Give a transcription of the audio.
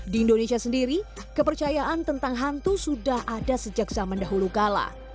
di indonesia sendiri kepercayaan tentang hantu sudah ada sejak zaman dahulu kala